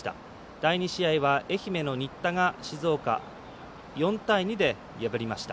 第２試合は愛媛の新田が静岡４対２で破りました。